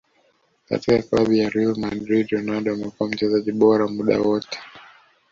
Katika club ya Real madrid Ronaldo amekuwa mchezaji bora muda wote